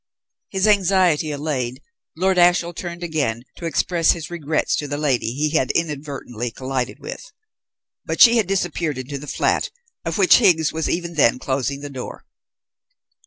His anxiety allayed, Lord Ashiel turned again to express his regrets to the lady he had inadvertently collided with, but she had disappeared into the flat, of which Higgs was even then closing the door.